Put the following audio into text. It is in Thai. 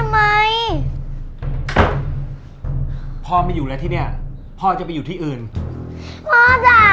ทำไมพ่อไม่อยู่แล้วที่เนี้ยพ่อจะไปอยู่ที่อื่นพ่อจ้ะ